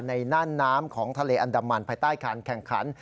น่านน้ำของทะเลอันดามันภายใต้การแข่งขัน